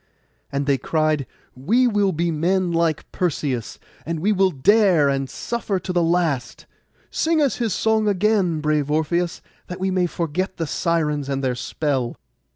And they cried, 'We will be men like Perseus, and we will dare and suffer to the last. Sing us his song again, brave Orpheus, that we may forget the Sirens and their spell.